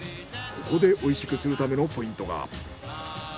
ここでおいしくするためのポイントが。